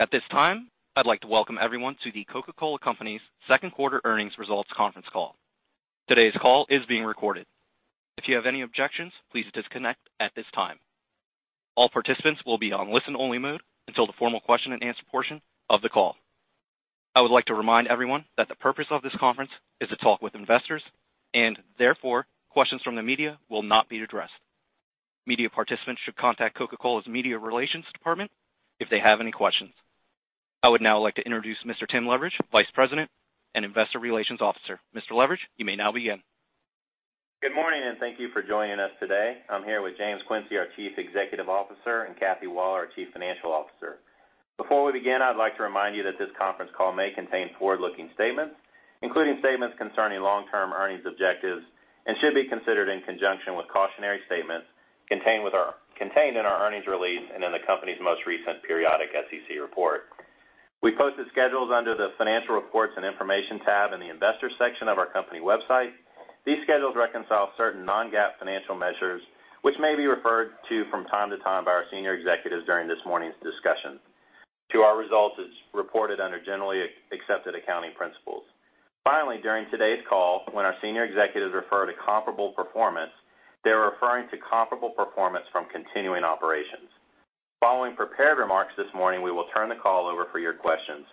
At this time, I'd like to welcome everyone to The Coca-Cola Company's second quarter earnings results conference call. Today's call is being recorded. If you have any objections, please disconnect at this time. All participants will be on listen-only mode until the formal question and answer portion of the call. I would like to remind everyone that the purpose of this conference is to talk with investors and therefore, questions from the media will not be addressed. Media participants should contact Coca-Cola's media relations department if they have any questions. I would now like to introduce Mr. Tim Leveridge, Vice President and Investor Relations Officer. Mr. Leveridge, you may now begin. Good morning, thank you for joining us today. I'm here with James Quincey, our Chief Executive Officer, and Kathy Waller, our Chief Financial Officer. Before we begin, I'd like to remind you that this conference call may contain forward-looking statements, including statements concerning long-term earnings objectives, and should be considered in conjunction with cautionary statements contained in our earnings release and in the company's most recent periodic SEC report. We posted schedules under the Financial Reports and Information tab in the Investors section of our company website. These schedules reconcile certain non-GAAP financial measures, which may be referred to from time to time by our senior executives during this morning's discussion to our results as reported under generally accepted accounting principles. Finally, during today's call, when our senior executives refer to comparable performance, they're referring to comparable performance from continuing operations. Following prepared remarks this morning, we will turn the call over for your questions.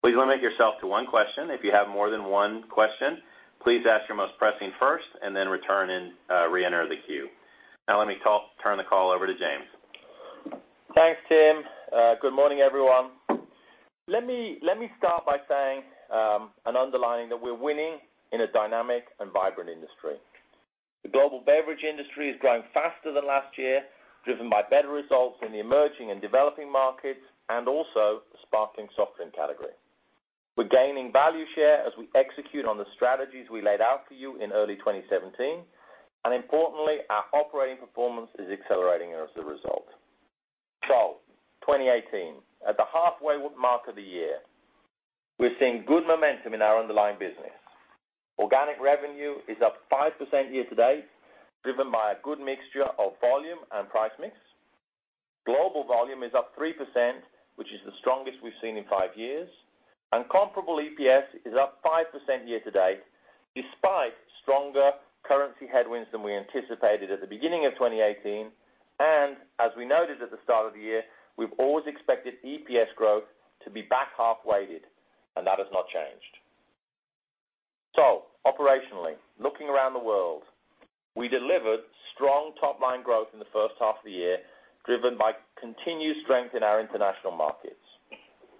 Please limit yourself to one question. If you have more than one question, please ask your most pressing first, then return and reenter the queue. Now let me turn the call over to James. Thanks, Tim. Good morning, everyone. Let me start by saying, underlining, that we're winning in a dynamic and vibrant industry. The global beverage industry is growing faster than last year, driven by better results in the emerging and developing markets and also the sparkling soft drink category. We're gaining value share as we execute on the strategies we laid out for you in early 2017. Importantly, our operating performance is accelerating as a result. 2018, at the halfway mark of the year, we're seeing good momentum in our underlying business. Organic revenue is up 5% year to date, driven by a good mixture of volume and price mix. Global volume is up 3%, which is the strongest we've seen in five years. Comparable EPS is up 5% year to date, despite stronger currency headwinds than we anticipated at the beginning of 2018. As we noted at the start of the year, we've always expected EPS growth to be back half weighted, and that has not changed. Operationally, looking around the world, we delivered strong top-line growth in the first half of the year, driven by continued strength in our international markets.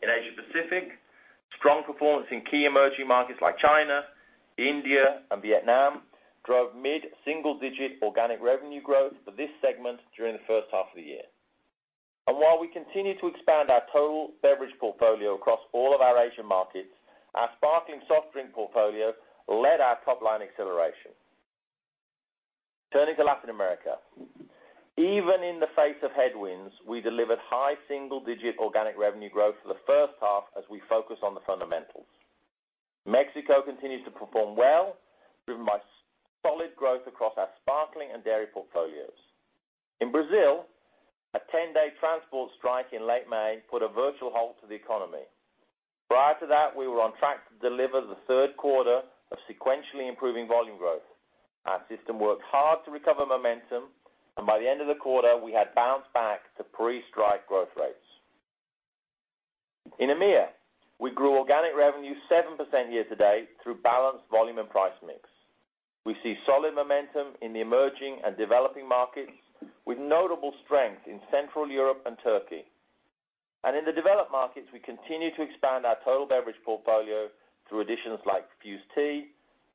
In Asia Pacific, strong performance in key emerging markets like China, India, and Vietnam drove mid-single-digit organic revenue growth for this segment during the first half of the year. While we continue to expand our total beverage portfolio across all of our Asian markets, our sparkling soft drink portfolio led our top-line acceleration. Turning to Latin America. Even in the face of headwinds, we delivered high single-digit organic revenue growth for the first half as we focus on the fundamentals. Mexico continues to perform well, driven by solid growth across our sparkling and dairy portfolios. In Brazil, a 10-day transport strike in late May put a virtual halt to the economy. Prior to that, we were on track to deliver the third quarter of sequentially improving volume growth. In EMEA, we grew organic revenue 7% year to date through balanced volume and price mix. We see solid momentum in the emerging and developing markets, with notable strength in central Europe and Turkey. In the developed markets, we continue to expand our total beverage portfolio through additions like Fuze Tea,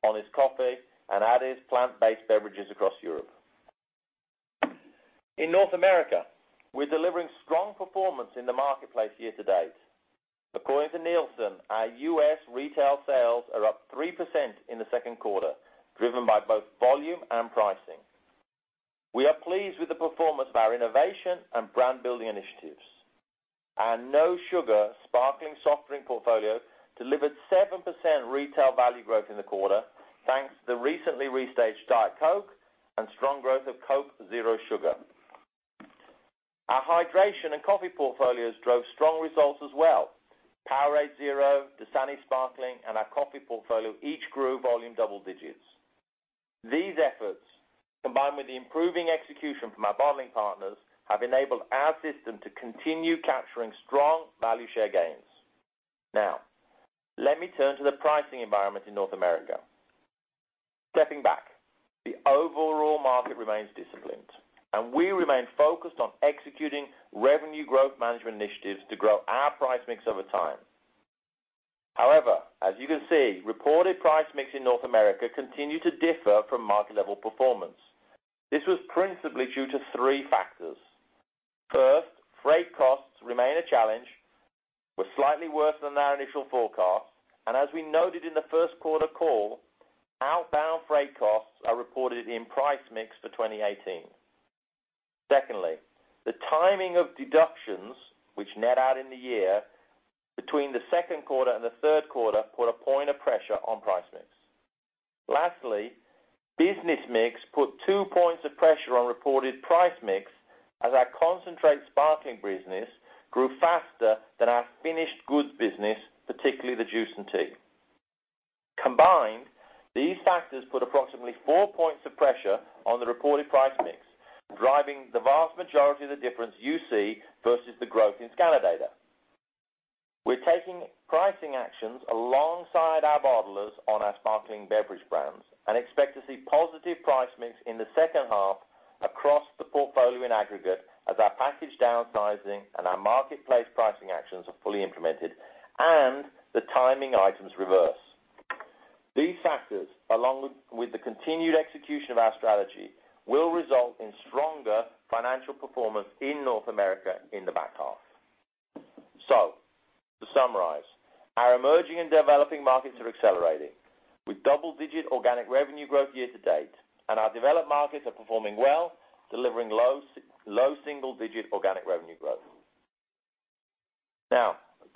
Honest Coffee, and AdeS plant-based beverages across Europe. In North America, we're delivering strong performance in the marketplace year to date. According to Nielsen, our U.S. retail sales are up 3% in the second quarter, driven by both volume and pricing. We are pleased with the performance of our innovation and brand building initiatives. Our no sugar sparkling soft drink portfolio delivered 7% retail value growth in the quarter, thanks to the recently restaged Diet Coke and strong growth of Coca-Cola Zero Sugar. Our hydration and coffee portfolios drove strong results as well. Powerade Zero, Dasani Sparkling, and our coffee portfolio each grew volume double digits. These efforts, combined with the improving execution from our bottling partners, have enabled our system to continue capturing strong value share gains. Let me turn to the pricing environment in North America. Stepping back, the overall market remains disciplined, and we remain focused on executing revenue growth management initiatives to grow our price mix over time. However, as you can see, reported price mix in North America continued to differ from market level performance. This was principally due to three factors. First, freight costs remain a challenge, were slightly worse than our initial forecast, and as we noted in the first quarter call, outbound freight costs are reported in price mix for 2018. The timing of deductions, which net out in the year between the second quarter and the third quarter, put a point of pressure on price mix. Lastly, business mix put two points of pressure on reported price mix as our concentrate sparkling business grew faster than our finished goods business, particularly the juice and tea. Combined, these factors put approximately four points of pressure on the reported price mix, driving the vast majority of the difference you see versus the growth in scanner data. We're taking pricing actions alongside our bottlers on our sparkling beverage brands and expect to see positive price mix in the second half across the portfolio in aggregate as our package downsizing and our marketplace pricing actions are fully implemented, and the timing items reverse. These factors, along with the continued execution of our strategy, will result in stronger financial performance in North America in the back half. To summarize, our emerging and developing markets are accelerating with double-digit organic revenue growth year to date, and our developed markets are performing well, delivering low single-digit organic revenue growth.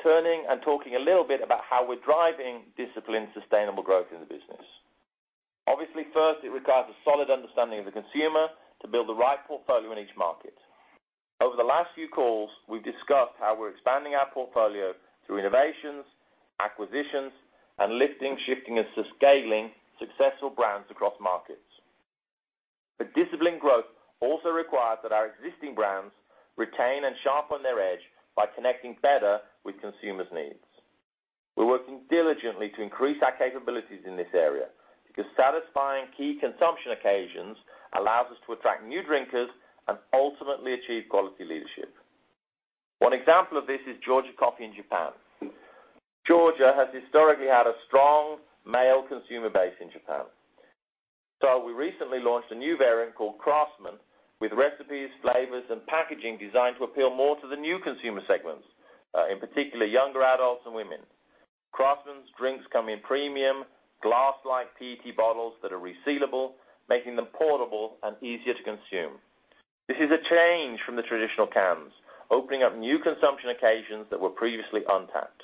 Turning and talking a little bit about how we're driving disciplined, sustainable growth in the business. Obviously, first it requires a solid understanding of the consumer to build the right portfolio in each market. Over the last few calls, we've discussed how we're expanding our portfolio through innovations, acquisitions, and lifting, shifting, and scaling successful brands across markets. Disciplined growth also requires that our existing brands retain and sharpen their edge by connecting better with consumers' needs. We're working diligently to increase our capabilities in this area because satisfying key consumption occasions allows us to attract new drinkers and ultimately achieve quality leadership. One example of this is Georgia Coffee in Japan. Georgia has historically had a strong male consumer base in Japan. We recently launched a new variant called Craftsman with recipes, flavors, and packaging designed to appeal more to the new consumer segments, in particular, younger adults and women. Craftsman's drinks come in premium glass-like PET bottles that are resealable, making them portable and easier to consume. This is a change from the traditional cans, opening up new consumption occasions that were previously untapped.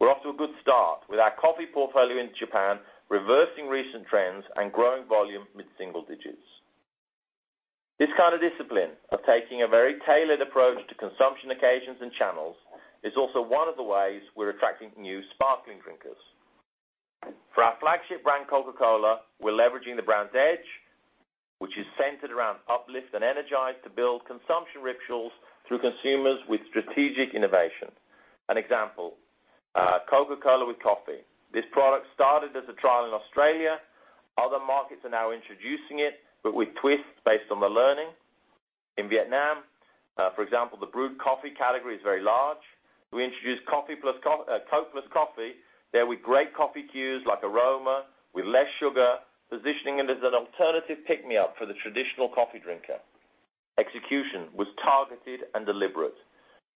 We're off to a good start with our coffee portfolio in Japan, reversing recent trends and growing volume mid-single digits. This kind of discipline of taking a very tailored approach to consumption occasions and channels is also one of the ways we're attracting new sparkling drinkers. For our flagship brand, Coca-Cola, we're leveraging the brand's edge, which is centered around uplift and energize to build consumption rituals through consumers with strategic innovation. An example, Coca-Cola with Coffee. This product started as a trial in Australia. Other markets are now introducing it, but with twists based on the learning. In Vietnam, for example, the brewed coffee category is very large. We introduced Coca-Cola Plus Coffee there with great coffee cues like aroma, with less sugar, positioning it as an alternative pick-me-up for the traditional coffee drinker. Execution was targeted and deliberate,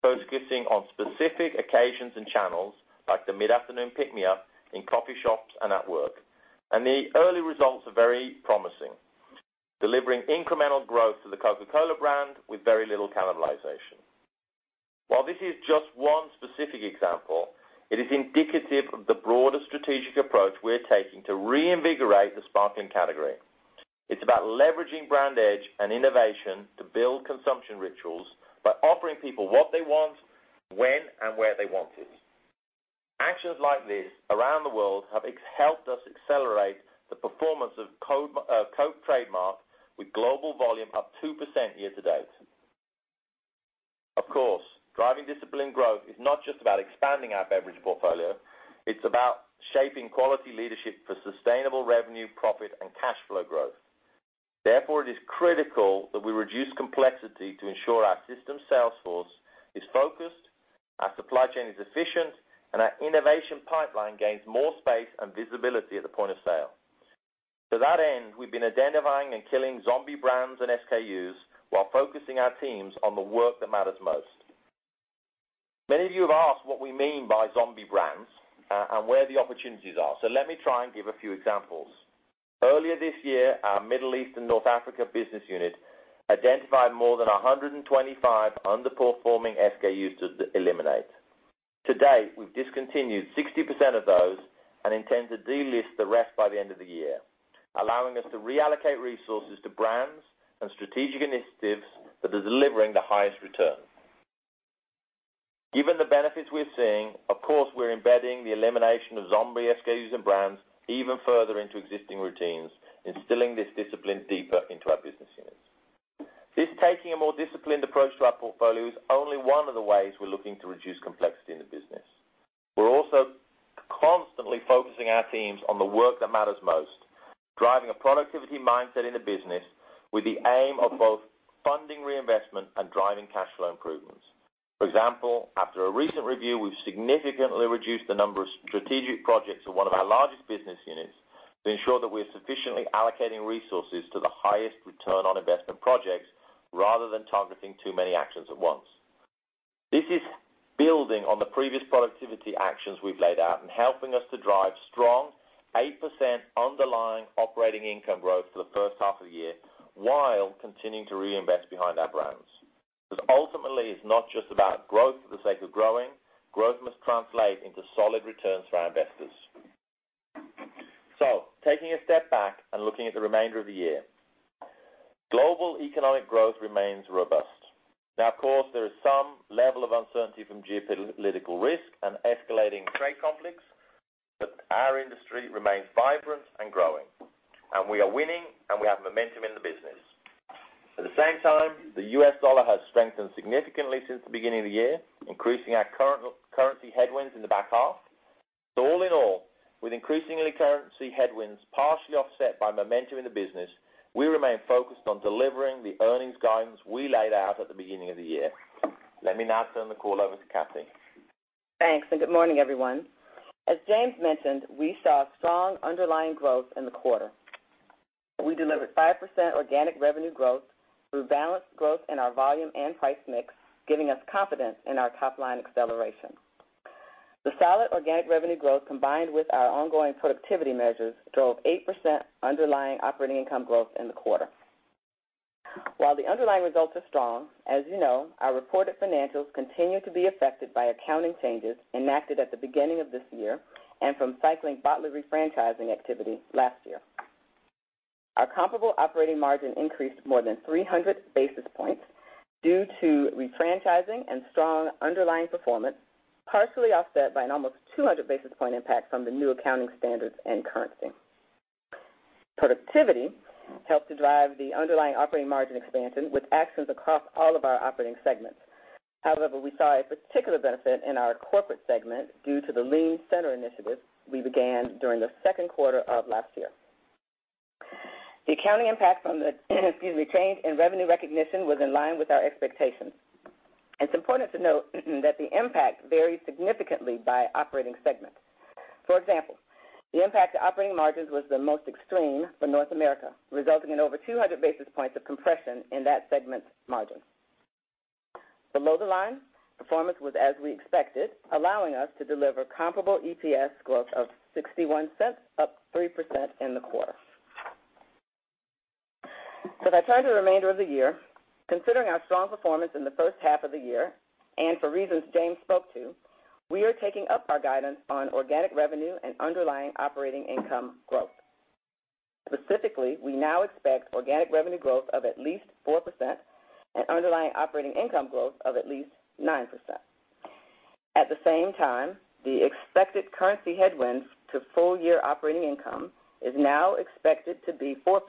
focusing on specific occasions and channels like the mid-afternoon pick-me-up in coffee shops and at work. The early results are very promising, delivering incremental growth to the Coca-Cola brand with very little cannibalization. While this is just one specific example, it is indicative of the broader strategic approach we're taking to reinvigorate the sparkling category. It's about leveraging brand edge and innovation to build consumption rituals by offering people what they want, when and where they want it. Actions like this around the world have helped us accelerate the performance of Coca-Cola trademark with global volume up 2% year to date. Of course, driving disciplined growth is not just about expanding our beverage portfolio. It's about shaping quality leadership for sustainable revenue, profit, and cash flow growth. It is critical that we reduce complexity to ensure our system sales force is focused, our supply chain is efficient, and our innovation pipeline gains more space and visibility at the point of sale. To that end, we've been identifying and killing zombie brands and SKUs while focusing our teams on the work that matters most. Many of you have asked what we mean by zombie brands, and where the opportunities are, let me try and give a few examples. Earlier this year, our Middle East and North Africa business unit identified more than 125 underperforming SKUs to eliminate. To date, we've discontinued 60% of those and intend to delist the rest by the end of the year, allowing us to reallocate resources to brands and strategic initiatives that are delivering the highest return. Given the benefits we're seeing, of course, we're embedding the elimination of zombie SKUs and brands even further into existing routines, instilling this discipline deeper into our business units. This taking a more disciplined approach to our portfolio is only one of the ways we're looking to reduce complexity in the business. We're also constantly focusing our teams on the work that matters most, driving a productivity mindset in the business with the aim of both funding reinvestment and driving cash flow improvements. For example, after a recent review, we've significantly reduced the number of strategic projects in one of our largest business units to ensure that we're sufficiently allocating resources to the highest return on investment projects rather than targeting too many actions at once. This is building on the previous productivity actions we've laid out and helping us to drive strong 8% underlying- Operating income growth for the first half of the year while continuing to reinvest behind our brands. Ultimately, it's not just about growth for the sake of growing. Growth must translate into solid returns for our investors. Taking a step back and looking at the remainder of the year, global economic growth remains robust. Of course, there is some level of uncertainty from geopolitical risk and escalating trade conflicts, our industry remains vibrant and growing, we are winning, we have momentum in the business. At the same time, the U.S. dollar has strengthened significantly since the beginning of the year, increasing our currency headwinds in the back half. All in all, with increasingly currency headwinds partially offset by momentum in the business, we remain focused on delivering the earnings guidance we laid out at the beginning of the year. Let me now turn the call over to Kathy. Thanks, good morning, everyone. As James mentioned, we saw strong underlying growth in the quarter. We delivered 5% organic revenue growth through balanced growth in our volume and price mix, giving us confidence in our top-line acceleration. The solid organic revenue growth, combined with our ongoing productivity measures, drove 8% underlying operating income growth in the quarter. While the underlying results are strong, as you know, our reported financials continue to be affected by accounting changes enacted at the beginning of this year and from cycling bottler refranchising activity last year. Our comparable operating margin increased more than 300 basis points due to refranchising and strong underlying performance, partially offset by an almost 200 basis point impact from the new accounting standards and currency. Productivity helped to drive the underlying operating margin expansion with actions across all of our operating segments. However, we saw a particular benefit in our corporate segment due to the Lean Center initiative we began during the second quarter of last year. The accounting impact from the excuse me, change in revenue recognition was in line with our expectations. It's important to note that the impact varied significantly by operating segment. For example, the impact to operating margins was the most extreme for North America, resulting in over 200 basis points of compression in that segment's margin. Below the line, performance was as we expected, allowing us to deliver comparable EPS growth of $0.61, up 3% in the quarter. If I turn to the remainder of the year, considering our strong performance in the first half of the year, and for reasons James spoke to, we are taking up our guidance on organic revenue and underlying operating income growth. Specifically, we now expect organic revenue growth of at least 4% and underlying operating income growth of at least 9%. At the same time, the expected currency headwinds to full-year operating income is now expected to be 4%,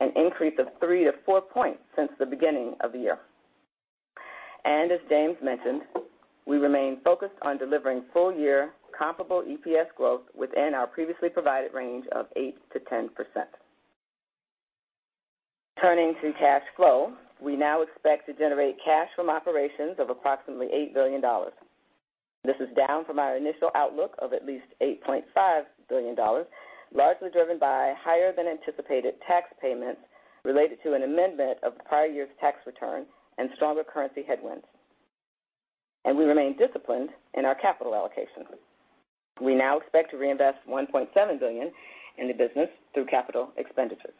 an increase of three to four points since the beginning of the year. As James mentioned, we remain focused on delivering full-year comparable EPS growth within our previously provided range of 8%-10%. Turning to cash flow, we now expect to generate cash from operations of approximately $8 billion. This is down from our initial outlook of at least $8.5 billion, largely driven by higher-than-anticipated tax payments related to an amendment of the prior year's tax return and stronger currency headwinds. We now expect to reinvest $1.7 billion in the business through capital expenditures.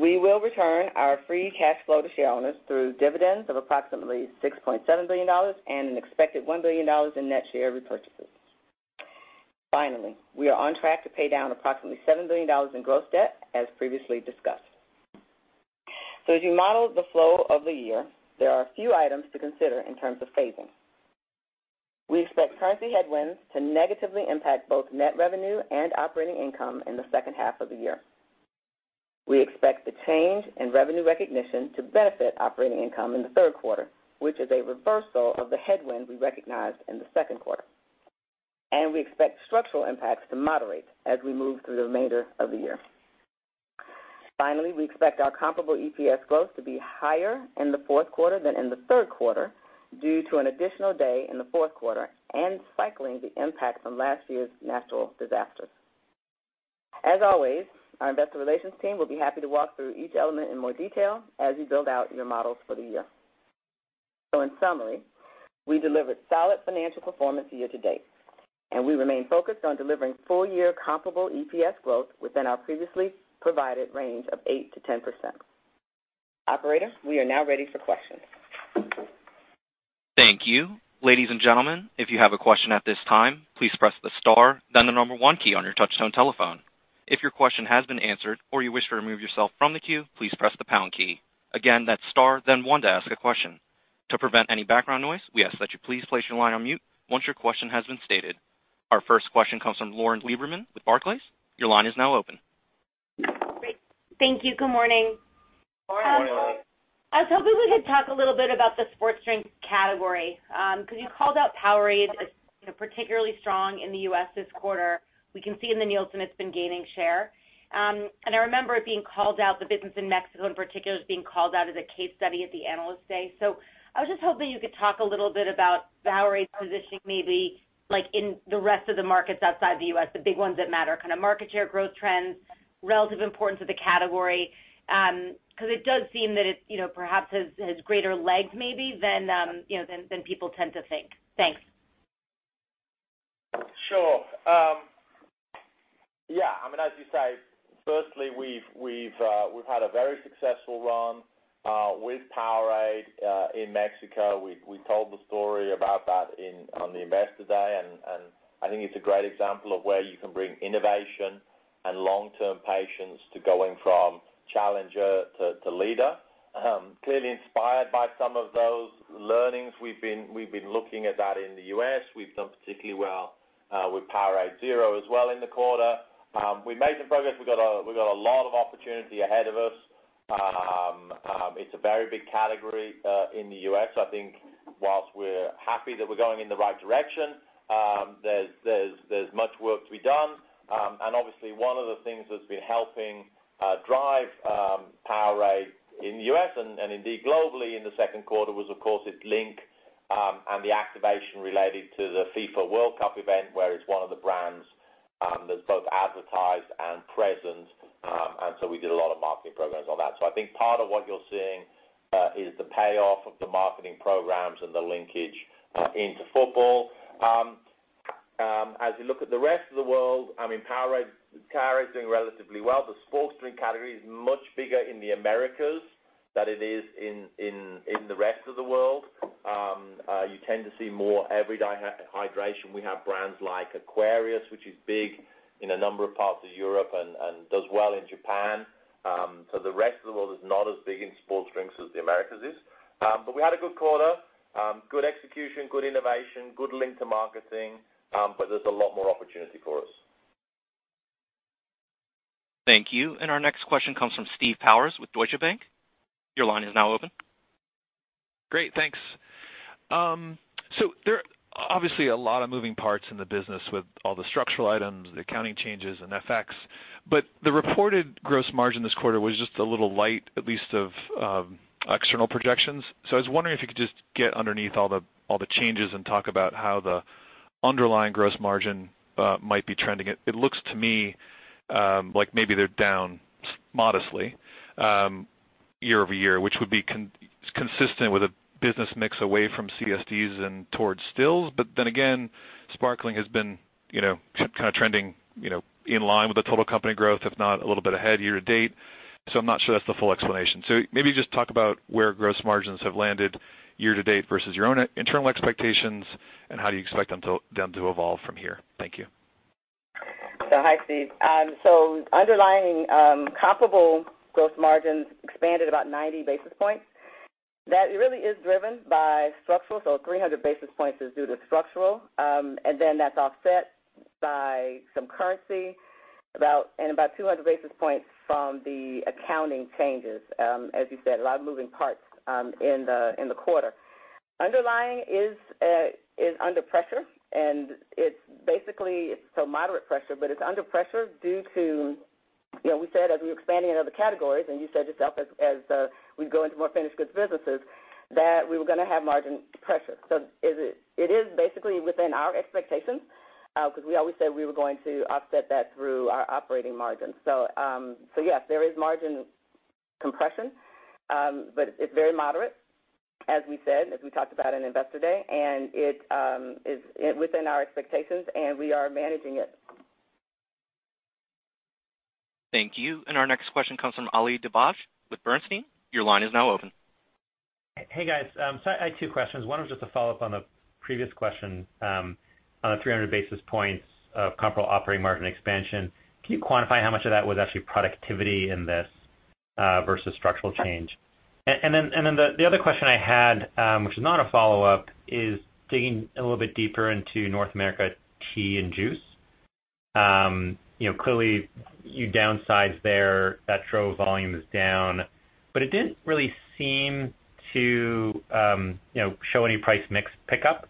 We will return our free cash flow to shareholders through dividends of approximately $6.7 billion and an expected $1 billion in net share repurchases. Finally, we are on track to pay down approximately $7 billion in gross debt, as previously discussed. As you model the flow of the year, there are a few items to consider in terms of phasing. We expect currency headwinds to negatively impact both net revenue and operating income in the second half of the year. We expect the change in revenue recognition to benefit operating income in the third quarter, which is a reversal of the headwind we recognized in the second quarter. We expect structural impacts to moderate as we move through the remainder of the year. We expect our comparable EPS growth to be higher in the fourth quarter than in the third quarter due to an additional day in the fourth quarter and cycling the impact from last year's natural disasters. As always, our investor relations team will be happy to walk through each element in more detail as you build out your models for the year. In summary, we delivered solid financial performance year-to-date, and we remain focused on delivering full-year comparable EPS growth within our previously provided range of 8% to 10%. Operator, we are now ready for questions. Thank you. Ladies and gentlemen, if you have a question at this time, please press the star then the number one key on your touchtone telephone. If your question has been answered or you wish to remove yourself from the queue, please press the pound key. Again, that's star then one to ask a question. To prevent any background noise, we ask that you please place your line on mute once your question has been stated. Our first question comes from Lauren Lieberman with Barclays. Your line is now open. Great. Thank you. Good morning. Good morning, Lauren. I was hoping we could talk a little bit about the sports drink category. You called out Powerade as particularly strong in the U.S. this quarter. We can see in the Nielsen it's been gaining share. I remember it being called out, the business in Mexico in particular, as being called out as a case study at the Analyst Day. I was just hoping you could talk a little bit about Powerade's positioning, maybe, like in the rest of the markets outside the U.S., the big ones that matter, kind of market share growth trends, relative importance of the category. It does seem that it perhaps has greater legs maybe than people tend to think. Thanks. Sure. Yeah, as you say, firstly, we've had a very successful run with Powerade in Mexico. We told the story about that on the Investor Day, and I think it's a great example of where you can bring innovation and long-term patience to going from challenger to leader. Clearly inspired by some of those learnings, we've been looking at that in the U.S. We've done particularly well with Powerade Zero as well in the quarter. We made some progress. We've got a lot of opportunity ahead of us. It's a very big category in the U.S. I think whilst we're happy that we're going in the right direction, there's much work to be done. Obviously one of the things that's been helping drive Powerade in the U.S. and indeed globally in the second quarter was, of course, its link and the activation related to the FIFA World Cup event, where it's one of the brands that's both advertised and present. We did a lot of marketing programs on that. I think part of what you're seeing is the payoff of the marketing programs and the linkage into football. As you look at the rest of the world, Powerade is doing relatively well. The sports drink category is much bigger in the Americas than it is in the rest of the world. You tend to see more everyday hydration. We have brands like Aquarius, which is big in a number of parts of Europe and does well in Japan. The rest of the world is not as big in sports drinks as the Americas is. We had a good quarter. Good execution, good innovation, good link to marketing, there's a lot more opportunity for us. Thank you. Our next question comes from Steve Powers with Deutsche Bank. Your line is now open. Great, thanks. There are obviously a lot of moving parts in the business with all the structural items, the accounting changes, and FX. The reported gross margin this quarter was just a little light, at least of external projections. I was wondering if you could just get underneath all the changes and talk about how the underlying gross margin might be trending. It looks to me like maybe they're down modestly year-over-year, which would be consistent with a business mix away from CSDs and towards stills. Then again, sparkling has been trending in line with the total company growth, if not a little bit ahead year-to-date. I'm not sure that's the full explanation. Maybe just talk about where gross margins have landed year-to-date versus your own internal expectations, and how do you expect them to evolve from here? Thank you. Hi, Steve. Underlying comparable gross margins expanded about 90 basis points. That really is driven by structural, so 300 basis points is due to structural. Then that's offset by some currency, and about 200 basis points from the accounting changes. As you said, a lot of moving parts in the quarter. Underlying is under pressure, so moderate pressure, but it's under pressure due to, we said as we're expanding into other categories, and you said yourself as we go into more finished goods businesses, that we were going to have margin pressure. It is basically within our expectations, because we always said we were going to offset that through our operating margin. Yes, there is margin compression, but it's very moderate, as we said, as we talked about in Investor Day. It is within our expectations, and we are managing it. Thank you. Our next question comes from Ali Dibadj with Bernstein. Your line is now open. Hey, guys. I had two questions. One was just a follow-up on the previous question on the 300 basis points of comparable operating margin expansion. Can you quantify how much of that was actually productivity in this versus structural change? The other question I had, which is not a follow-up, is digging a little bit deeper into North America tea and juice. Clearly you downsized there. That drove volumes down. It didn't really seem to show any price mix pickup,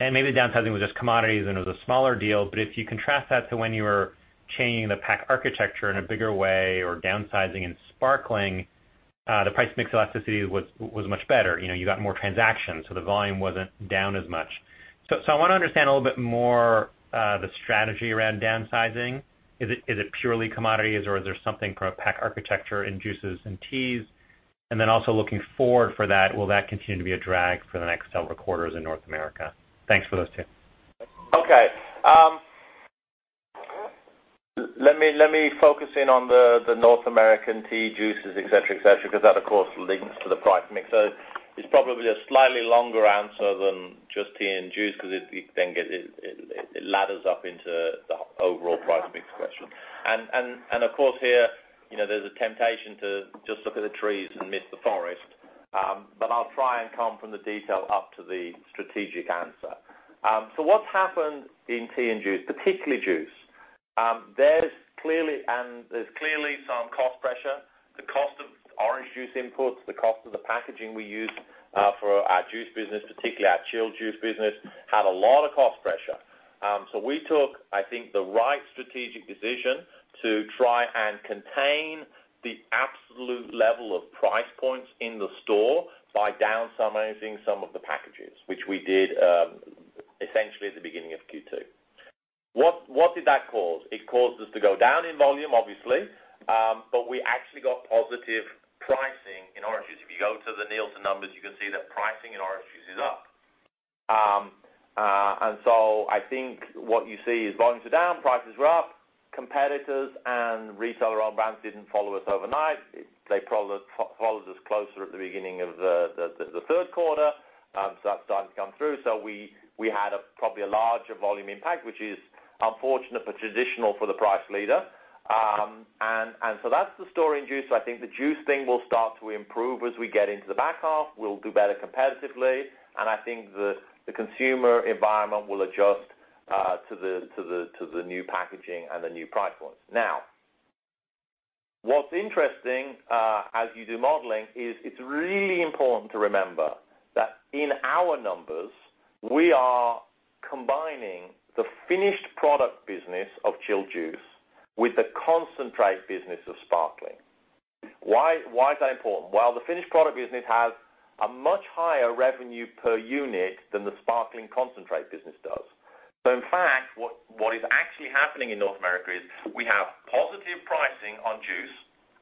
maybe downsizing was just commodities and it was a smaller deal. If you contrast that to when you were changing the pack architecture in a bigger way or downsizing in sparkling, the price mix elasticity was much better. You got more transactions, the volume wasn't down as much. I want to understand a little bit more the strategy around downsizing. Is it purely commodities, or is there something from a pack architecture in juices and teas? Also looking forward for that, will that continue to be a drag for the next several quarters in North America? Thanks for those two. Okay. Let me focus in on the North American tea, juices, et cetera. That, of course, links to the price mix. It's probably a slightly longer answer than just tea and juice because it then ladders up into the overall price mix question. Of course here, there's a temptation to just look at the trees and miss the forest. I'll try and come from the detail up to the strategic answer. What's happened in tea and juice, particularly juice, there's clearly some cost pressure. The cost of orange juice inputs, the cost of the packaging we use for our juice business, particularly our chilled juice business, had a lot of cost pressure. We took, I think, the right strategic decision to try and contain the absolute level of price points in the store by downsizing some of the packages, which we did essentially at the beginning of Q2. What did that cause? It caused us to go down in volume, obviously, but we actually got positive pricing in orange juice. If you go to the Nielsen numbers, you can see that pricing in orange juice is up. I think what you see is volumes are down, prices are up, competitors and retailer-owned brands didn't follow us overnight. They probably followed us closer at the beginning of the third quarter. That's starting to come through. We had probably a larger volume impact, which is unfortunate, but traditional for the price leader. That's the story in juice. I think the juice thing will start to improve as we get into the back half. We'll do better competitively, and I think the consumer environment will adjust to the new packaging and the new price points. What's interesting, as you do modeling, is it's really important to remember that in our numbers, we are combining the finished product business of chilled juice with the concentrate business of sparkling. Why is that important? Well, the finished product business has a much higher revenue per unit than the sparkling concentrate business does. In fact, what is actually happening in North America is we have positive pricing on juice.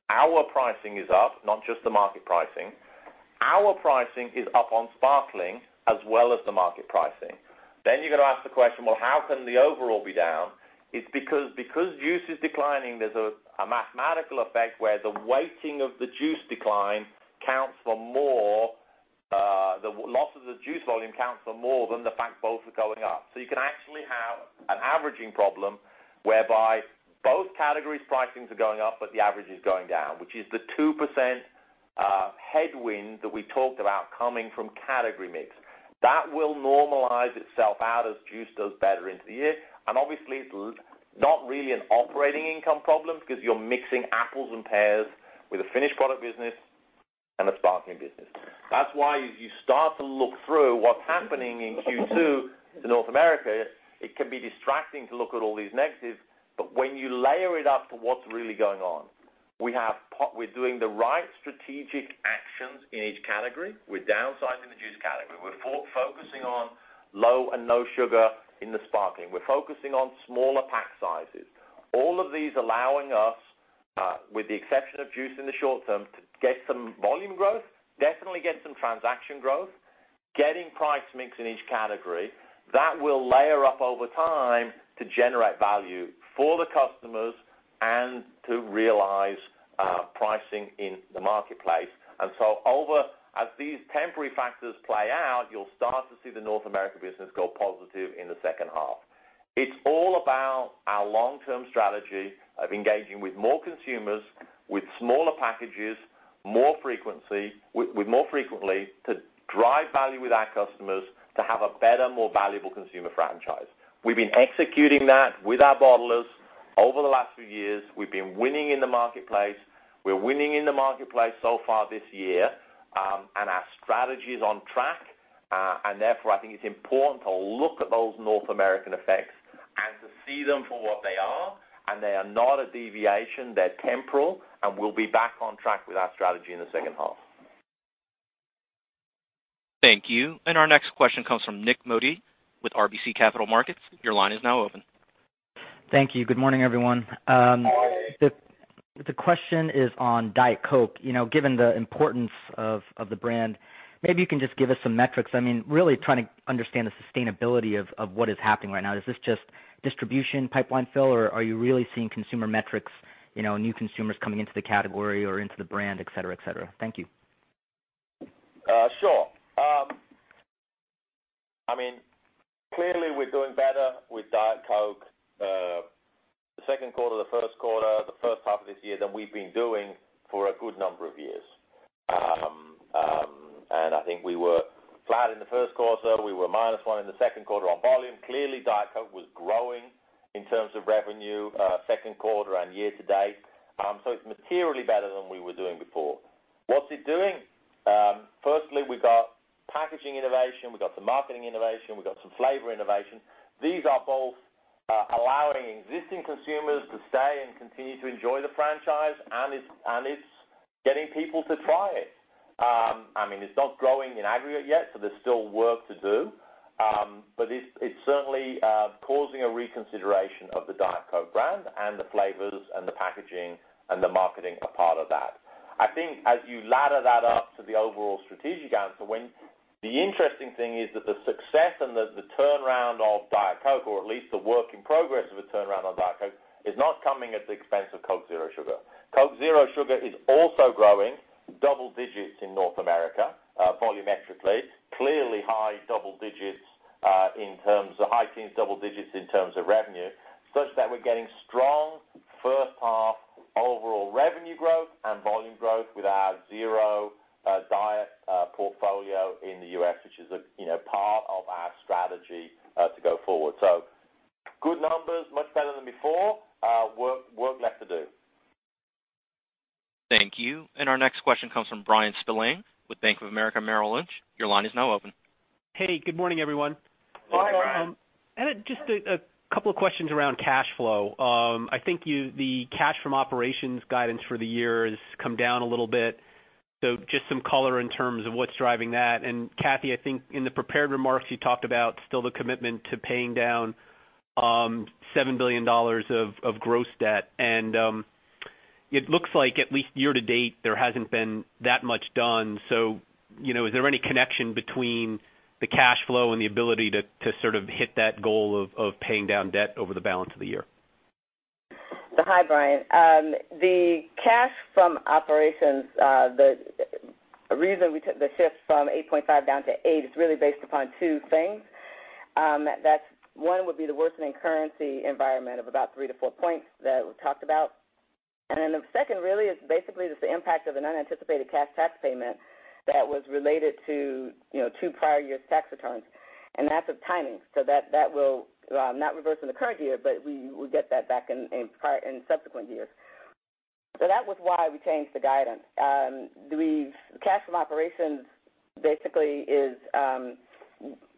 Our pricing is up, not just the market pricing. Our pricing is up on sparkling as well as the market pricing. You're going to ask the question, well, how can the overall be down? It's because juice is declining, there's a mathematical effect where the weighting of the juice decline counts for more than the fact both are going up. You can actually have an averaging problem whereby both categories' pricings are going up, but the average is going down, which is the 2% headwind that we talked about coming from category mix. That will normalize itself out as juice does better into the year. Obviously, it's not really an operating income problem because you're mixing apples and pears with a finished product business and a sparkling business. That's why as you start to look through what's happening in Q2 to North America, it can be distracting to look at all these negatives, but when you layer it up to what's really going on, we're doing the right strategic actions in each category. We're downsizing the juice category. We're focusing on low and no sugar in the sparkling. We're focusing on smaller pack sizes. All of these allowing us, with the exception of juice in the short term, to get some volume growth, definitely get some transaction growth, getting price mix in each category. That will layer up over time to generate value for the customers and to realize pricing in the marketplace. As these temporary factors play out, you'll start to see the North America business go positive in the second half. It's all about our long-term strategy of engaging with more consumers with smaller packages, more frequently, to drive value with our customers to have a better, more valuable consumer franchise. We've been executing that with our bottlers over the last few years. We've been winning in the marketplace. We're winning in the marketplace so far this year. Our strategy is on track. Therefore, I think it's important to look at those North American effects and to see them for what they are. They are not a deviation. They're temporal, and we'll be back on track with our strategy in the second half. Thank you. Our next question comes from Nik Modi with RBC Capital Markets. Your line is now open. Thank you. Good morning, everyone. Morning. The question is on Diet Coke. Given the importance of the brand, maybe you can just give us some metrics. Really trying to understand the sustainability of what is happening right now. Is this just distribution pipeline fill, or are you really seeing consumer metrics, new consumers coming into the category or into the brand, et cetera? Thank you. Sure. Clearly, we're doing better with Diet Coke the second quarter, the first quarter, the first half of this year than we've been doing for a good number of years. I think we were flat in the first quarter. We were minus 1 in the second quarter on volume. Clearly, Diet Coke was growing in terms of revenue second quarter and year to date. It's materially better than we were doing before. What's it doing? Firstly, we got packaging innovation, we got some marketing innovation, we got some flavor innovation. These are both allowing existing consumers to stay and continue to enjoy the franchise, and it's getting people to try it. It's not growing in aggregate yet, so there's still work to do. It's certainly causing a reconsideration of the Diet Coke brand and the flavors and the packaging and the marketing are part of that. I think as you ladder that up to the overall strategic answer, the interesting thing is that the success and the turnaround of Diet Coke, or at least the work in progress of a turnaround on Diet Coke, is not coming at the expense of Coca-Cola Zero Sugar. Coca-Cola Zero Sugar is also growing double digits in North America, volumetrically, clearly high double digits in terms of high teens, double digits in terms of revenue, such that we're getting strong first half overall revenue growth and volume growth with our Zero Diet portfolio in the U.S., which is part of our strategy to go forward. Good numbers, much better than before. Work left to do. Thank you. Our next question comes from Bryan Spillane with Bank of America Merrill Lynch. Your line is now open. Hey, good morning, everyone. Hi, Bryan. Just two questions around cash flow. I think the cash from operations guidance for the year has come down a little bit. Just some color in terms of what's driving that. Kathy, I think in the prepared remarks, you talked about still the commitment to paying down $7 billion of gross debt, and it looks like at least year-to-date, there hasn't been that much done. Is there any connection between the cash flow and the ability to sort of hit that goal of paying down debt over the balance of the year? Hi, Bryan. The cash from operations, the reason we took the shift from 8.5 down to 8 is really based upon two things. That one would be the worsening currency environment of about three to four points that we talked about. The second really is basically just the impact of an unanticipated cash tax payment that was related to two prior years' tax returns, and that's of timing. That will not reverse in the current year, but we will get that back in subsequent years. That was why we changed the guidance. The cash from operations basically is,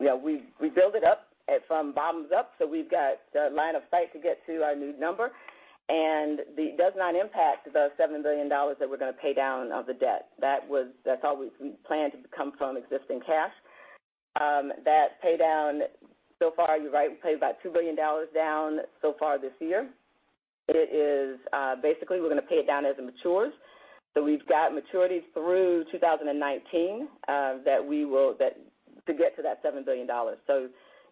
we build it up from bottoms up. We've got the line of sight to get to our new number, and it does not impact the $7 billion that we're going to pay down of the debt. That's how we plan to come from existing cash. That pay down so far, you're right, we paid about $2 billion down so far this year, but it is basically we're going to pay it down as it matures. We've got maturities through 2019 to get to that $7 billion.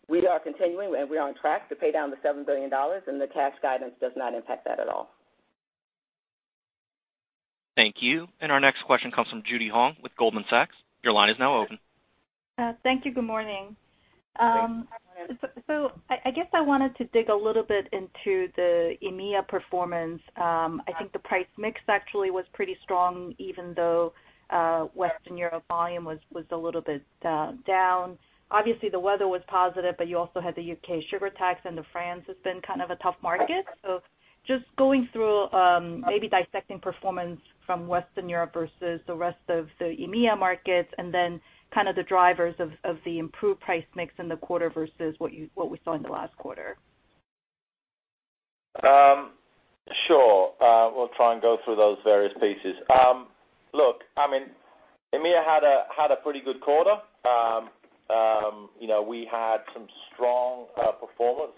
We are continuing, and we are on track to pay down the $7 billion, and the cash guidance does not impact that at all. Thank you. Our next question comes from Judy Hong with Goldman Sachs. Your line is now open. Thank you. Good morning. Good morning. I guess I wanted to dig a little bit into the EMEA performance. I think the price mix actually was pretty strong, even though Western Europe volume was a little bit down. Obviously, the weather was positive, but you also had the U.K. sugar tax, and France has been kind of a tough market. Just going through, maybe dissecting performance from Western Europe versus the rest of the EMEA markets and then kind of the drivers of the improved price mix in the quarter versus what we saw in the last quarter. Sure. We'll try and go through those various pieces. Look, EMEA had a pretty good quarter. We had some strong performance.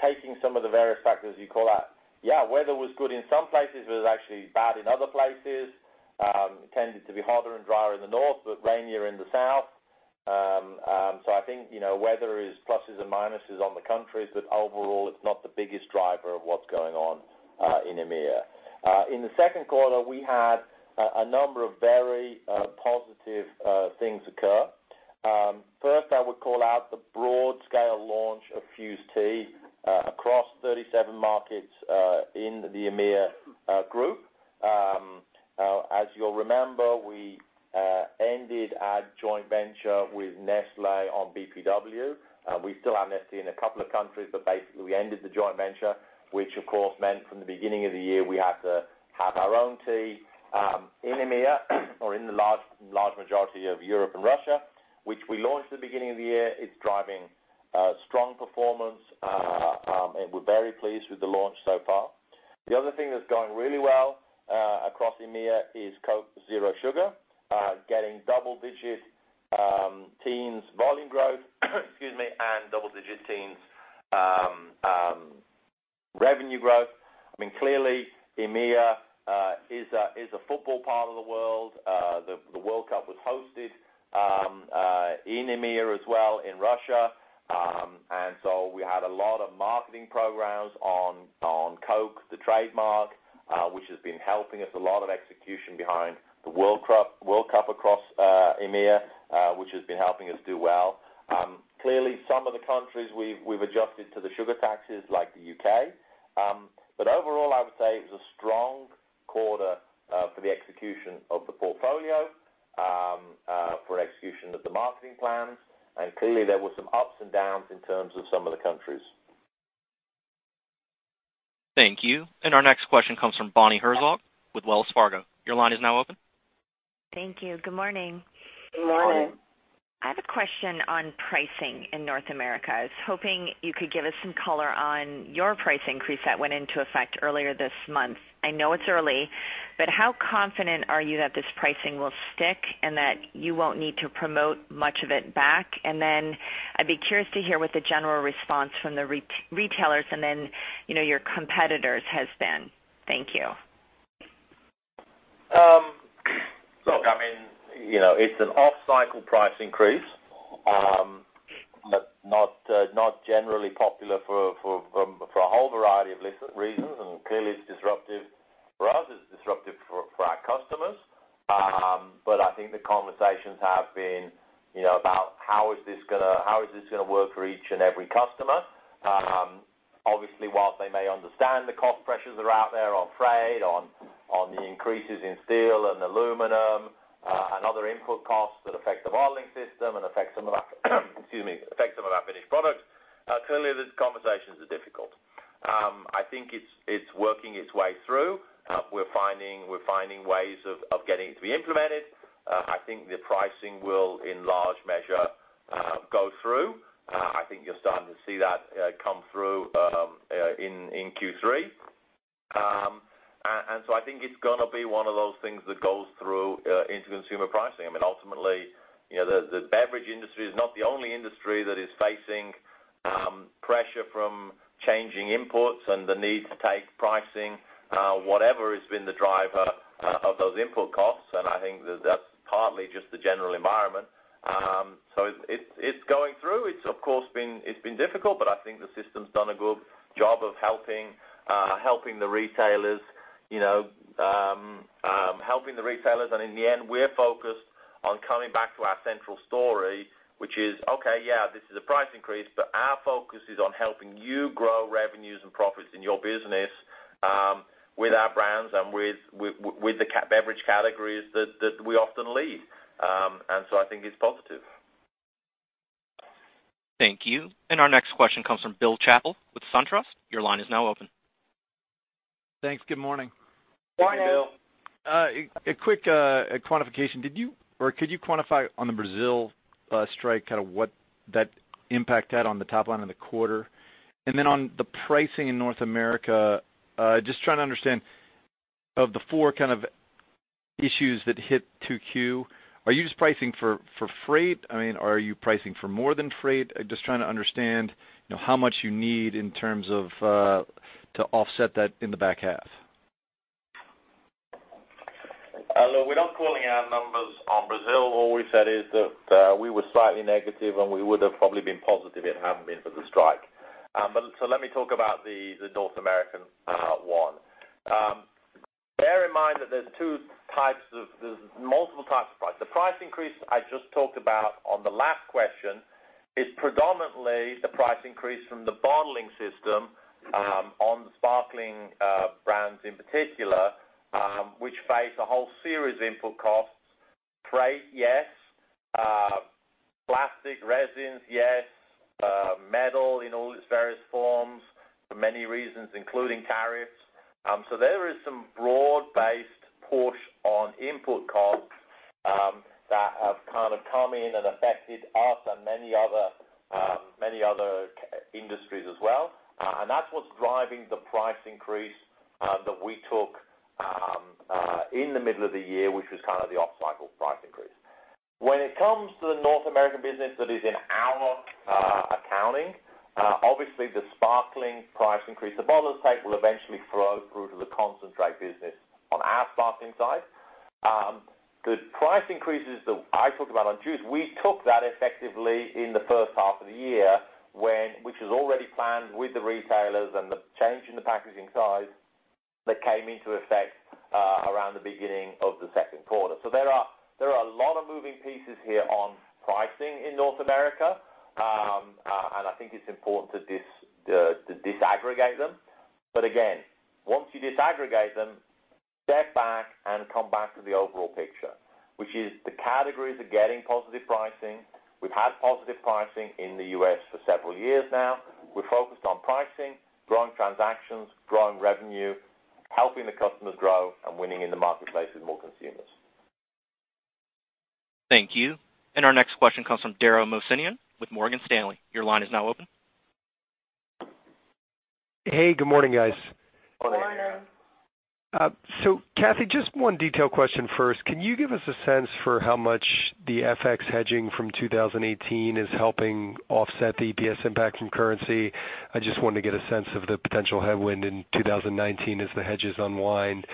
Taking some of the various factors you call out. Weather was good in some places, but it was actually bad in other places. Tended to be hotter and drier in the north, but rainier in the south. I think, weather is pluses and minuses on the countries, but overall, it's not the biggest driver of what's going on in EMEA. In the second quarter, we had a number of very positive things occur. First, I would call out the broad-scale launch of Fuze Tea across 37 markets in the EMEA group. As you'll remember, we ended our joint venture with Nestlé on BPW. We still have Nestlé in a couple of countries, but basically, we ended the joint venture, which of course meant from the beginning of the year, we had to have our own tea in EMEA or in the large majority of Europe and Russia, which we launched at the beginning of the year. It's driving strong performance, and we're very pleased with the launch so far. The other thing that's going really well across EMEA is Coca-Cola Zero Sugar, getting double-digit teens volume growth excuse me, and double-digit teens revenue growth. Clearly, EMEA is a football part of the world. The FIFA World Cup was hosted in EMEA as well in Russia. We had a lot of marketing programs on Coca-Cola trademark, which has been helping us a lot of execution behind the FIFA World Cup across EMEA, which has been helping us do well. Clearly, some of the countries we've adjusted to the sugar taxes, like the U.K. Overall, I would say it was a strong quarter for the execution of the portfolio, for execution of the marketing plans. Clearly, there were some ups and downs in terms of some of the countries. Thank you. Our next question comes from Bonnie Herzog with Wells Fargo. Your line is now open. Thank you. Good morning. Good morning. I have a question on pricing in North America. I was hoping you could give us some color on your price increase that went into effect earlier this month. I know it's early, but how confident are you that this pricing will stick and that you won't need to promote much of it back? Then I'd be curious to hear what the general response from the retailers and then your competitors has been. Thank you. Look, it's an off-cycle price increase. Not generally popular for a whole variety of reasons. Clearly, it's disruptive for us, it's disruptive for our customers. I think the conversations have been about how is this going to work for each and every customer. Obviously, whilst they may understand the cost pressures are out there on freight, on the increases in steel and aluminum, and other input costs that affect the bottling system and affect some of our finished products. Clearly, the conversations are difficult. I think it's working its way through. We're finding ways of getting it to be implemented. I think the pricing will, in large measure, go through. I think you're starting to see that come through in Q3. I think it's going to be one of those things that goes through into consumer pricing. The beverage industry is not the only industry that is facing pressure from changing imports and the need to take pricing, whatever has been the driver of those input costs, and I think that's partly just the general environment. It's going through. It's, of course, been difficult, I think the system's done a good job of helping the retailers. In the end, we're focused on coming back to our central story, which is, okay, yeah, this is a price increase, our focus is on helping you grow revenues and profits in your business with our brands and with the beverage categories that we often lead. I think it's positive. Thank you. Our next question comes from Bill Chappell with SunTrust. Your line is now open. Thanks. Good morning. Morning, Bill. A quick quantification. Did you, or could you quantify on the Brazil strike what that impact had on the top line in the quarter? On the pricing in North America, just trying to understand, of the four kind of issues that hit 2Q, are you just pricing for freight? Are you pricing for more than freight? Just trying to understand how much you need in terms of to offset that in the back half. Look, we're not calling out numbers on Brazil. All we said is that we were slightly negative, and we would have probably been positive it hadn't been for the strike. Let me talk about the North American one. Bear in mind that there's multiple types of price. The price increase I just talked about on the last question is predominantly the price increase from the bottling system on the sparkling brands in particular, which face a whole series of input costs. Freight, yes. Plastic resins, yes. Metal in all its various forms for many reasons, including tariffs. That's what's driving the price increase that we took in the middle of the year, which was the off-cycle price increase. When it comes to the North American business that is in our accounting, obviously the sparkling price increase, the bottle type will eventually flow through to the concentrate business on our sparkling side. The price increases that I talked about on juice, we took that effectively in the first half of the year, which was already planned with the retailers and the change in the packaging size that came into effect around the beginning of the second quarter. There are a lot of moving pieces here on pricing in North America, and I think it's important to disaggregate them. Again, once you disaggregate them, step back and come back to the overall picture, which is the categories are getting positive pricing. We've had positive pricing in the U.S. for several years now. We're focused on pricing, growing transactions, growing revenue, helping the customers grow, and winning in the marketplace with more consumers. Thank you. Our next question comes from Dara Mohsenian with Morgan Stanley. Your line is now open. Hey, good morning, guys. Morning. Kathy, just one detail question first. Can you give us a sense for how much the FX hedging from 2018 is helping offset the EPS impact from currency? I just wanted to get a sense of the potential headwind in 2019 as the hedges unwind.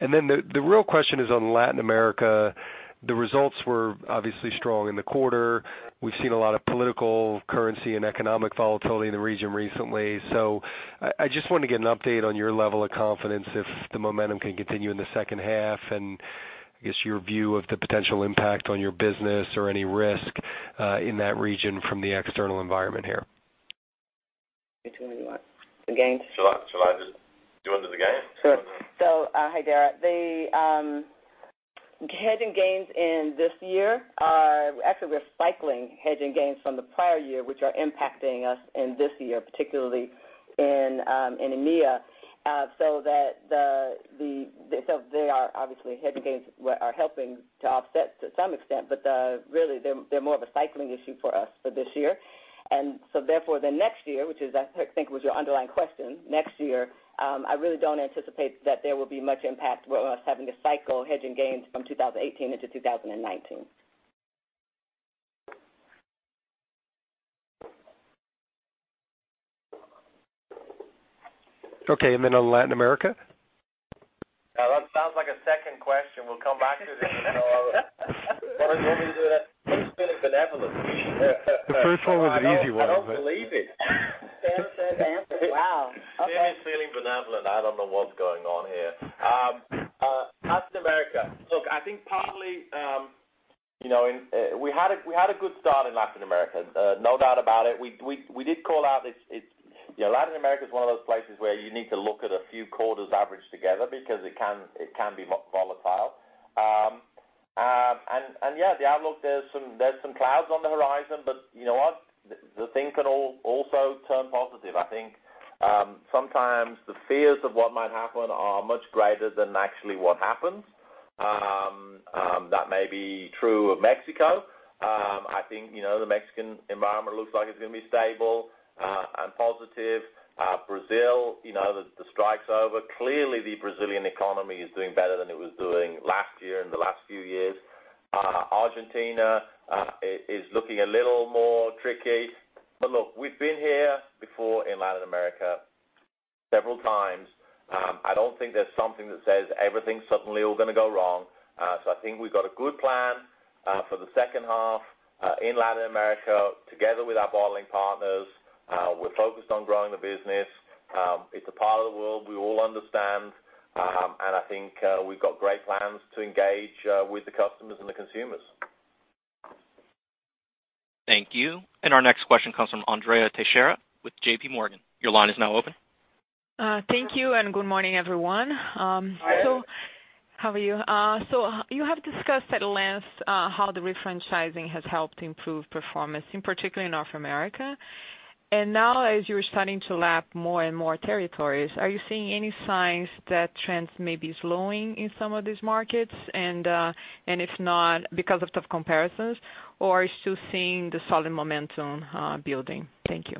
The real question is on Latin America. The results were obviously strong in the quarter. We've seen a lot of political currency and economic volatility in the region recently. I just want to get an update on your level of confidence, if the momentum can continue in the second half, and I guess your view of the potential impact on your business or any risk in that region from the external environment here. Which one do you want? The gains? Do you want to do the gains? Sure. Hi, Dara. The hedging gains in this year are actually recycling hedging gains from the prior year, which are impacting us in this year, particularly in EMEA. They are obviously hedging gains are helping to offset to some extent, but really, they're more of a cycling issue for us for this year. Therefore, the next year, which I think was your underlying question, next year, I really don't anticipate that there will be much impact with us having to cycle hedging gains from 2018 into 2019. Okay, on Latin America? That sounds like a second question. We'll come back to that. Dara's feeling benevolent. The first one was the easy one. I don't believe it. Sam said to answer. Wow. Okay. Sam is feeling benevolent. I don't know what's going on here. Latin America. Look, I think partly, we had a good start in Latin America. No doubt about it. We did call out, Latin America is one of those places where you need to look at a few quarters averaged together because it can be volatile. Yeah, the outlook, there's some clouds on the horizon, but you know what? The thing can also turn positive. I think sometimes the fears of what might happen are much greater than actually what happens. That may be true of Mexico. I think the Mexican environment looks like it's going to be stable and positive. Brazil, the strike's over. Clearly, the Brazilian economy is doing better than it was doing last year and the last few years. Argentina is looking a little more tricky. Look, we've been here before in Latin America several times. I don't think there's something that says everything's suddenly all going to go wrong. I think we've got a good plan for the second half in Latin America together with our bottling partners. We're focused on growing the business. It's a part of the world we all understand, and I think we've got great plans to engage with the customers and the consumers. Thank you. Our next question comes from Andrea Teixeira with JP Morgan. Your line is now open. Thank you, good morning, everyone. Hi. How are you? You have discussed at length how the refranchising has helped improve performance, in particular in North America. Now, as you are starting to lap more and more territories, are you seeing any signs that trends may be slowing in some of these markets? If not, because of tough comparisons, or are you still seeing the solid momentum building? Thank you.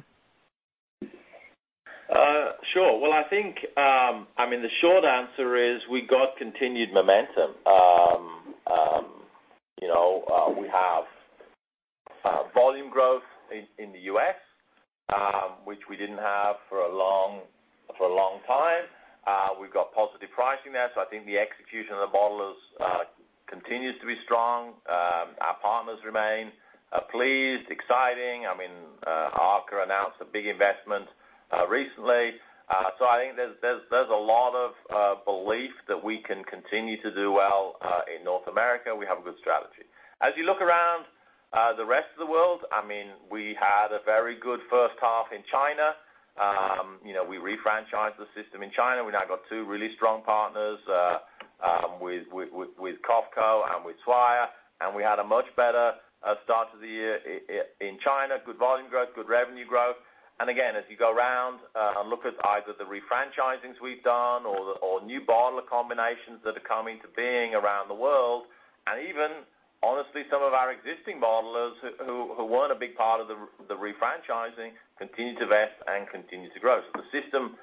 Well, I think the short answer is we got continued momentum. We have volume growth in the U.S., which we didn't have for a long time. We've got positive pricing there. I think the execution of the bottlers continues to be strong. Our partners remain pleased, excited. Arca announced a big investment recently. I think there's a lot of belief that we can continue to do well in North America. We have a good strategy. As you look around the rest of the world, we had a very good first half in China. We refranchised the system in China. We now got two really strong partners, with COFCO and with Swire, and we had a much better start to the year in China. Good volume growth, good revenue growth. Again, as you go around and look at either the refranchisings we've done or new bottler combinations that are coming to being around the world, and even, honestly, some of our existing bottlers who weren't a big part of the refranchising continue to invest and continue to grow. The system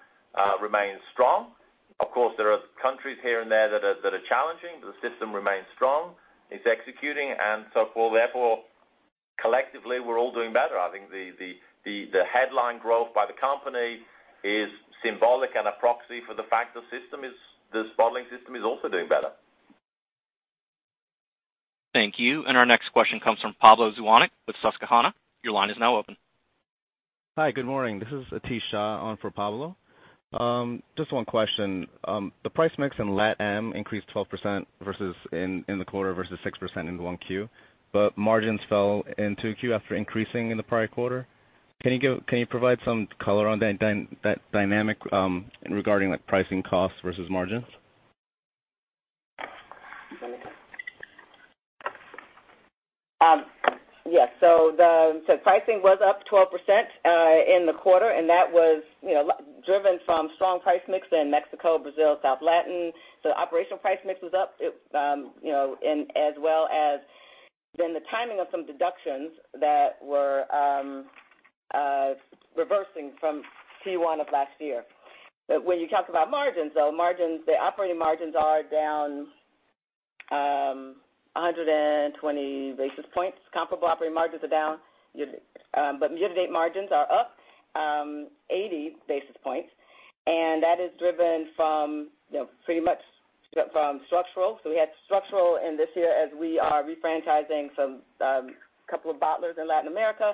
remains strong. Of course, there are countries here and there that are challenging, but the system remains strong. It's executing and so forth. Collectively, we're all doing better. I think the headline growth by the company is symbolic and a proxy for the fact the bottling system is also doing better. Thank you. Our next question comes from Pablo Zuanic with Susquehanna. Your line is now open. Hi, good morning. This is Atish Shah on for Pablo. Just one question. The price mix in LatAm increased 12% in the quarter versus 6% in 1Q, margins fell in 2Q after increasing in the prior quarter. Can you provide some color on that dynamic, regarding pricing costs versus margins? Yes. The pricing was up 12% in the quarter, and that was driven from strong price mix in Mexico, Brazil, South Latin. The operational price mix was up, as well as the timing of some deductions that were reversing from Q1 of last year. When you talk about margins, though, the operating margins are down 120 basis points. Comparable operating margins are down, but year-to-date margins are up 80 basis points, and that is driven pretty much from structural. We had structural in this year as we are refranchising a couple of bottlers in Latin America,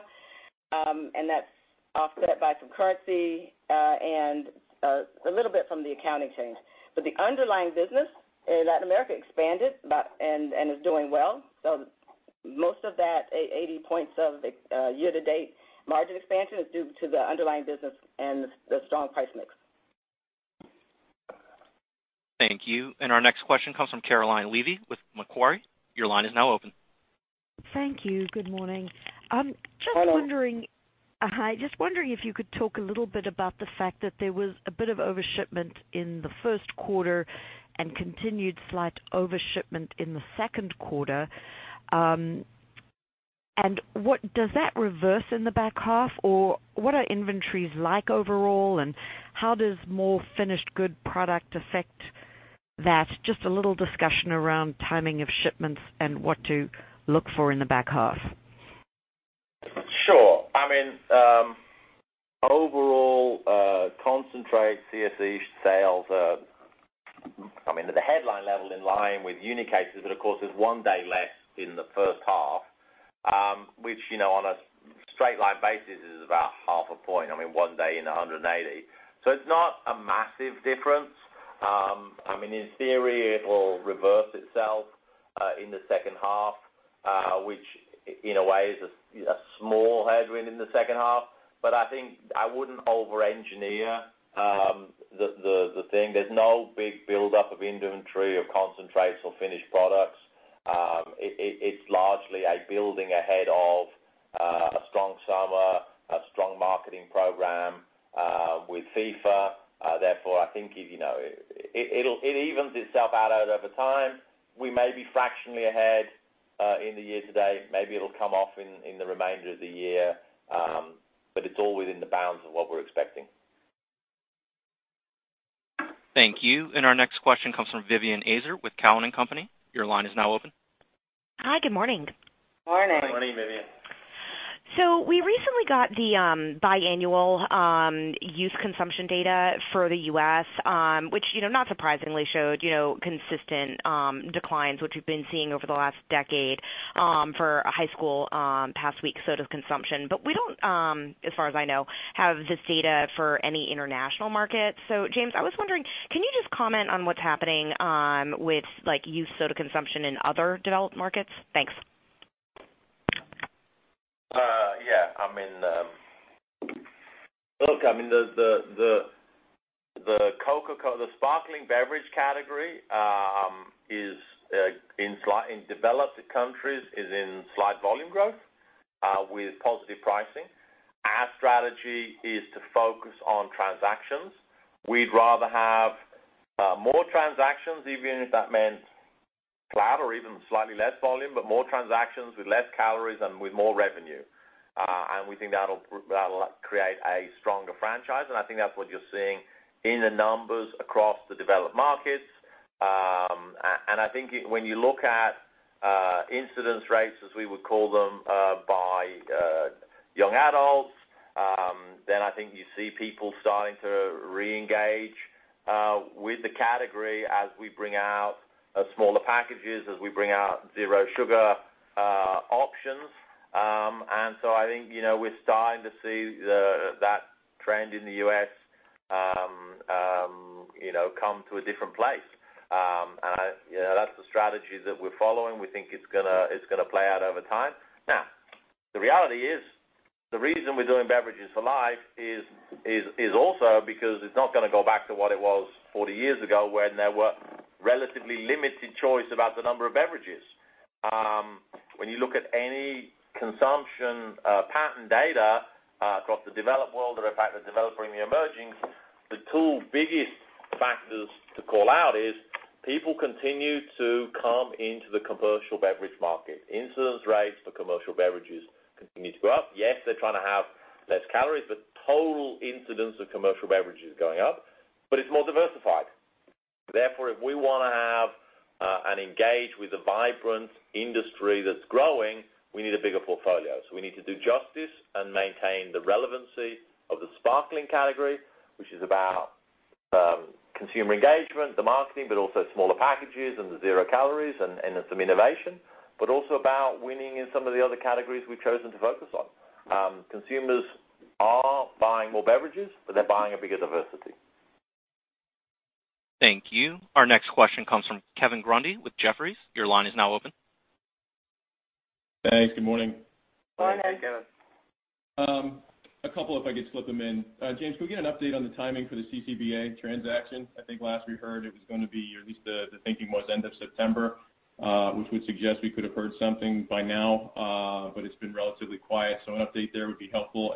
and that's offset by some currency, and a little bit from the accounting change. The underlying business in Latin America expanded and is doing well. Most of that 80 points of year-to-date margin expansion is due to the underlying business and the strong price mix. Thank you. Our next question comes from Caroline Levy with Macquarie. Your line is now open. Thank you. Good morning. Hello. Hi, just wondering if you could talk a little bit about the fact that there was a bit of overshipment in the first quarter and continued slight overshipment in the second quarter. Does that reverse in the back half, or what are inventories like overall, and how does more finished good product affect that? Just a little discussion around timing of shipments and what to look for in the back half. Sure. Overall, concentrate CSE sales are, I mean, the headline level in line with unit cases. Of course, there's one day less in the first half, which on a straight line basis is about half a point. I mean, one day in 180. It's not a massive difference. In theory, it will reverse itself in the second half, which in a way is a small headwind in the second half. I think I wouldn't over-engineer the thing. There's no big buildup of inventory of concentrates or finished products. It's largely a building ahead of a strong summer, a strong marketing program with FIFA. I think it evens itself out over time. We may be fractionally ahead in the year-to-date. Maybe it'll come off in the remainder of the year. It's all within the bounds of what we're expecting. Thank you. Our next question comes from Vivien Azer with Cowen and Company. Your line is now open. Hi, good morning. Morning. Morning, Vivien. We recently got the biannual youth consumption data for the U.S., which not surprisingly showed consistent declines, which we've been seeing over the last decade for high school past week soda consumption. We don't, as far as I know, have this data for any international market. James, I was wondering, can you just comment on what's happening with youth soda consumption in other developed markets? Thanks. Yeah. Look, the sparkling beverage category, in developed countries, is in slight volume growth, with positive pricing. Our strategy is to focus on transactions. We'd rather have more transactions, even if that meant flat or even slightly less volume, but more transactions with less calories and with more revenue. We think that'll create a stronger franchise, and I think that's what you're seeing in the numbers across the developed markets. I think when you look at incidence rates, as we would call them, by young adults, then I think you see people starting to reengage with the category as we bring out smaller packages, as we bring out zero sugar options. I think, we're starting to see that trend in the U.S. come to a different place. That's the strategy that we're following. We think it's going to play out over time. Now, the reality is, the reason we're doing Beverages for Life is also because it's not going to go back to what it was 40 years ago when there were relatively limited choice about the number of beverages. When you look at any consumption pattern data across the developed world, or in fact the developed and the emerging, the two biggest factors to call out is people continue to come into the commercial beverage market. Incidence rates for commercial beverages continue to go up. Yes, they're trying to have less calories, but total incidence of commercial beverages is going up, but it's more diversified. If we want to have and engage with a vibrant industry that's growing, we need a bigger portfolio. We need to do justice and maintain the relevancy of the sparkling category, which is about consumer engagement, the marketing, but also smaller packages and the zero calories and some innovation, but also about winning in some of the other categories we've chosen to focus on. Consumers are buying more beverages, but they're buying a bigger diversity. Thank you. Our next question comes from Kevin Grundy with Jefferies. Your line is now open. Thanks. Good morning. Morning, Kevin. A couple, if I could slip them in. James, can we get an update on the timing for the CCBA transaction? I think last we heard it was going to be, or at least the thinking was end of September, which would suggest we could have heard something by now, but it's been relatively quiet. An update there would be helpful.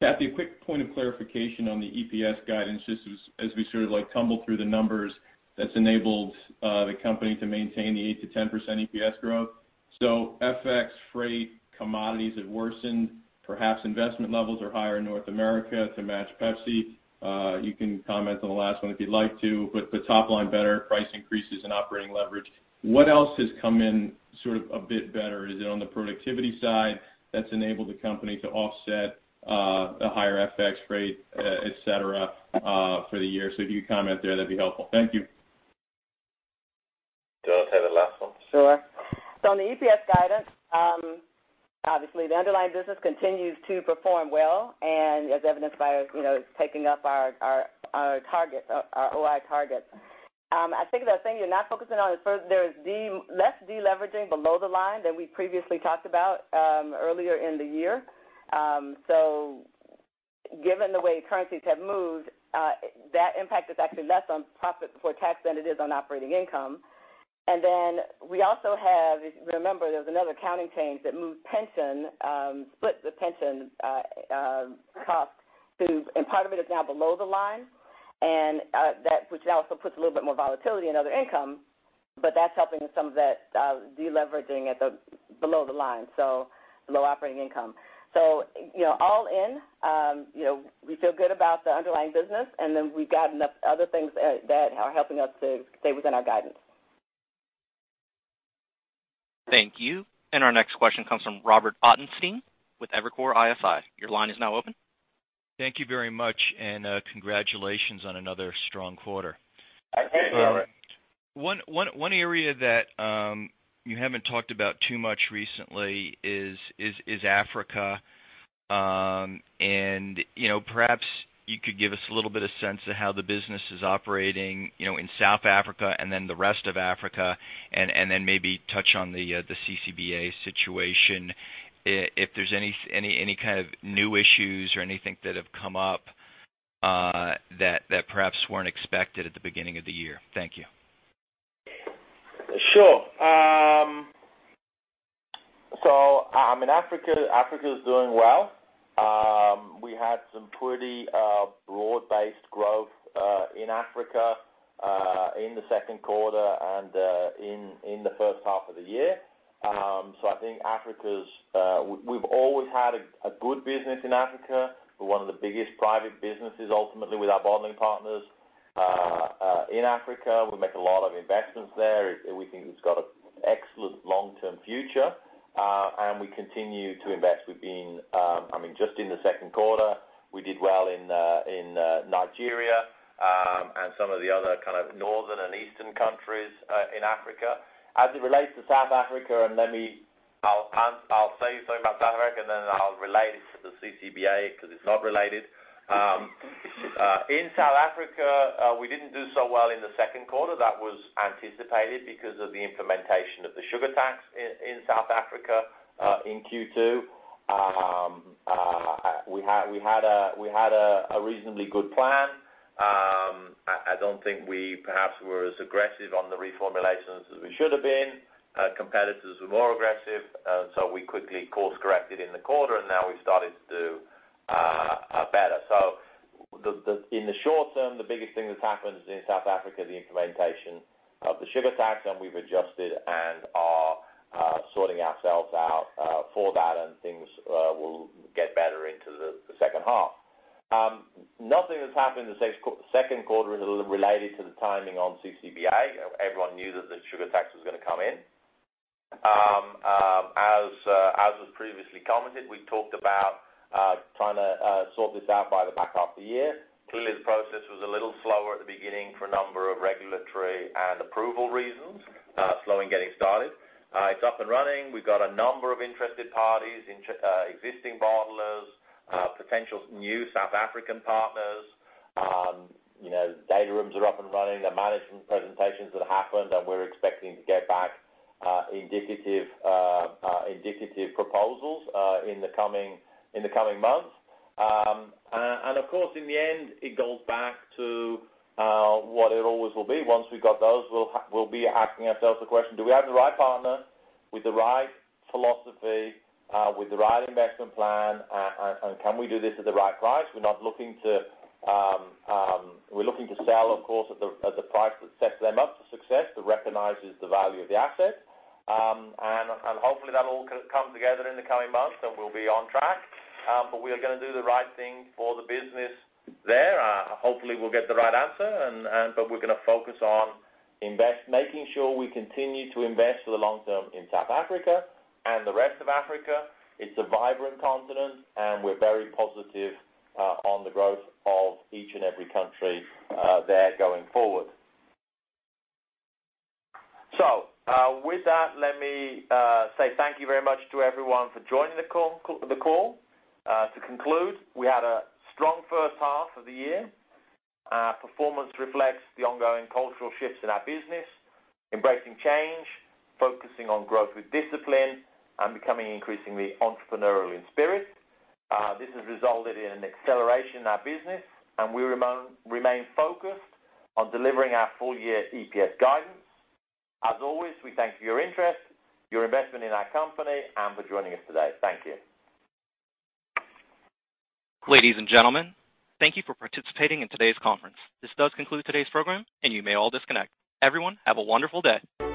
Kathy, a quick point of clarification on the EPS guidance, just as we sort of tumble through the numbers that's enabled the company to maintain the 8-10% EPS growth. FX, freight, commodities have worsened. Perhaps investment levels are higher in North America to match Pepsi. You can comment on the last one if you'd like to, but the top line better, price increases and operating leverage. What else has come in sort of a bit better? Is it on the productivity side that's enabled the company to offset a higher FX rate, et cetera, for the year? If you could comment there, that'd be helpful. Thank you. Do you want to take the last one? Sure. On the EPS guidance, obviously the underlying business continues to perform well and as evidenced by us taking up our OI targets. I think the thing you're not focusing on is first, there is less de-leveraging below the line than we previously talked about earlier in the year. Given the way currencies have moved, that impact is actually less on profit before tax than it is on operating income. We also have, remember, there was another accounting change that moved pension, split the pension cost through, and part of it is now below the line, which also puts a little bit more volatility in other income, but that's helping some of that de-leveraging below the line, so below operating income. All in, we feel good about the underlying business, we've got enough other things that are helping us to stay within our guidance. Thank you. Our next question comes from Robert Ottenstein with Evercore ISI. Your line is now open. Thank you very much, and congratulations on another strong quarter. Thank you, Robert. One area that you haven't talked about too much recently is Africa. Perhaps you could give us a little bit of sense of how the business is operating in South Africa and then the rest of Africa, and then maybe touch on the CCBA situation. If there's any kind of new issues or anything that have come up that perhaps weren't expected at the beginning of the year. Thank you. Sure. In Africa is doing well. We had some pretty broad-based growth in Africa in the second quarter and in the first half of the year. We've always had a good business in Africa. We're one of the biggest private businesses ultimately with our bottling partners in Africa. We make a lot of investments there. We think it's got an excellent long-term future, and we continue to invest. Just in the second quarter, we did well in Nigeria, and some of the other kind of northern and eastern countries in Africa. As it relates to South Africa, and let me I'll say something about South Africa, then I'll relate it to the CCBA because it's not related. In South Africa, we didn't do so well in the second quarter. That was anticipated because of the implementation of the sugar tax in South Africa in Q2. We had a reasonably good plan. I don't think we perhaps were as aggressive on the reformulations as we should have been. Competitors were more aggressive, we quickly course-corrected in the quarter, and now we've started to do better. In the short term, the biggest thing that's happened in South Africa is the implementation of the sugar tax, and we've adjusted and are sorting ourselves out for that, and things will get better into the second half. Nothing that's happened in the second quarter is related to the timing on CCBA. Everyone knew that the sugar tax was going to come in. As was previously commented, we talked about trying to sort this out by the back half of the year. Clearly, the process was a little slower at the beginning for a number of regulatory and approval reasons, slow in getting started. It's up and running. We've got a number of interested parties, existing bottlers, potential new South African partners. Data rooms are up and running. The management presentations have happened, and we're expecting to get back indicative proposals in the coming months. Of course, in the end, it goes back to what it always will be. Once we've got those, we'll be asking ourselves the question, do we have the right partner with the right philosophy, with the right investment plan, and can we do this at the right price? We're looking to sell, of course, at the price that sets them up for success, that recognizes the value of the asset. Hopefully, that will all come together in the coming months, and we'll be on track. We are going to do the right thing for the business there. Hopefully, we'll get the right answer, but we're going to focus on making sure we continue to invest for the long term in South Africa and the rest of Africa. It's a vibrant continent, and we're very positive on the growth of each and every country there going forward. With that, let me say thank you very much to everyone for joining the call. To conclude, we had a strong first half of the year. Our performance reflects the ongoing cultural shifts in our business, embracing change, focusing on growth with discipline, and becoming increasingly entrepreneurial in spirit. This has resulted in an acceleration in our business, and we remain focused on delivering our full-year EPS guidance. As always, we thank you for your interest, your investment in our company, and for joining us today. Thank you. Ladies and gentlemen, thank you for participating in today's conference. This does conclude today's program, and you may all disconnect. Everyone, have a wonderful day.